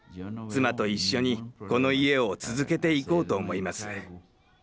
妻と一緒にこの家を続けていこうと思います。